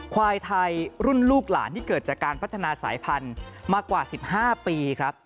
ควายไทยรุ่นลูกหลานที่เกิดจากการพัฒนาสายพันธุ์มากว่า๑๕ปีครับ